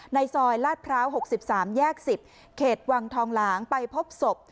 ซอยลาดพร้าว๖๓แยก๑๐เขตวังทองหลางไปพบศพ